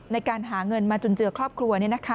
ในการหาเงินมาจุนเจือครอบครัว